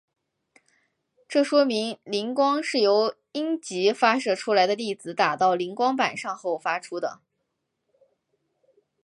这说明磷光是由阴极发射出来的粒子打到磷光板上后发出的。